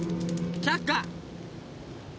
却下。